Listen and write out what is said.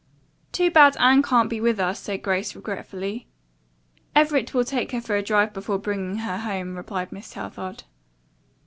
"Too bad Anne can't be with us," said Grace regretfully. "Everett will take her for a drive before bringing her home," replied Miss Southard.